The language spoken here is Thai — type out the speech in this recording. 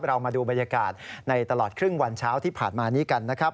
เรามาดูบรรยากาศในตลอดครึ่งวันเช้าที่ผ่านมานี้กันนะครับ